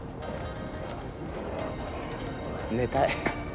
寝たい。